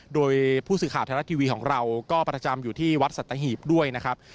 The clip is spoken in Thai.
โดยผู้สื่อข่าวไทยรัฐทีวีของเราก็ประจำอยู่ที่วัดสัตหีบด้วยนะครับ